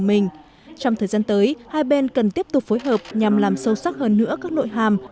mình trong thời gian tới hai bên cần tiếp tục phối hợp nhằm làm sâu sắc hơn nữa các nội hàm